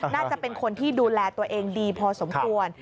น่าจะเป็นคนที่ดูแลตัวเองดีพอสมควร